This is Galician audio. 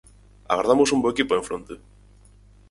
Agardamos un bo equipo en fronte.